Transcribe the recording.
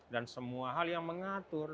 dan semua hal yang mengatur